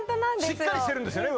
しっかりしてるんですよね